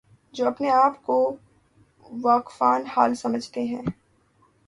جو اپنے آپ کو واقفان حال سمجھتے ہیں۔